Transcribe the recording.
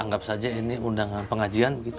anggap saja ini undangan pengajian begitu